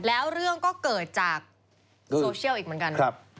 แล้วเรื่องก็เกิดจากโซเชียลอีกเหมือนกัน